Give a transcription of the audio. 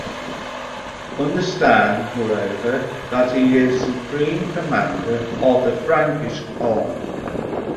Understand, moreover, that he is supreme commander of the Frankish army.